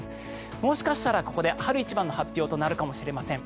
もしかしたらここで春一番の発表となるかもしれません。